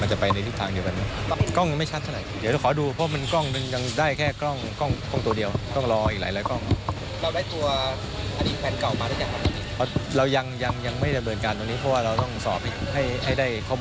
ให้ได้ข้อมูลที่ชัดมากกว่านี้